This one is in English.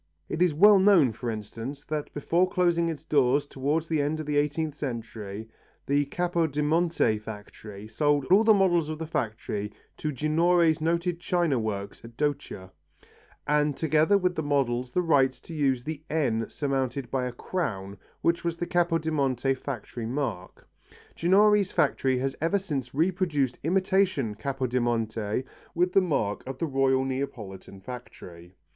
It is well known, for instance, that before closing its doors towards the end of the eighteenth century, the Capodimonte factory sold all the models of the factory to Ginori's noted china works at Doccia, and together with the models the right to use the N surmounted by a crown which was the Capodimonte factory mark. Ginori's factory has ever since reproduced imitation Capodimonte with the mark of the Royal Neapolitan factory.